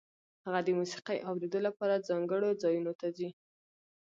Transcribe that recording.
هغه د موسیقۍ اورېدو لپاره ځانګړو ځایونو ته ځي